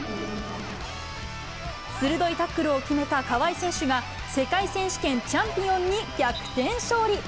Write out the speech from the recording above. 鋭いタックルを決めた川井選手が、世界選手権チャンピオンに逆転勝利。